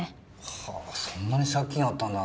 はぁそんなに借金あったんだ